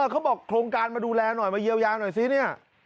เขาบอกโครงการมาดูแลหน่อยมาเยียวยางหน่อยสินี่